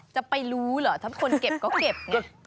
จะไปรู้เหรอถ้าคนเก็บก็เก็บไง